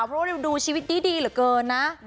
เพราะว่าดูชีวิตดีเหลือเกินนะ